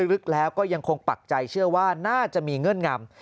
ลึกแล้วก็ยังคงปักใจเชื่อว่าน่าจะมีเงื่อนงำ